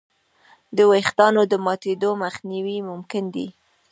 د وېښتیانو د ماتېدو مخنیوی ممکن دی.